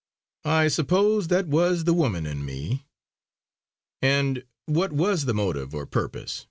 I suppose that was the woman in me." "And what was the motive or purpose?"